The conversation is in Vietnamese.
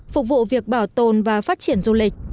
phục vụ việc bảo tồn và phát triển du lịch